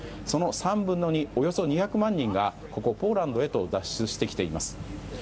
その３分の２のおよそ２００万人がここ、ポーランドへと脱出してきています。